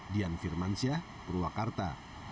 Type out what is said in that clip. dian firmansyah purwakarta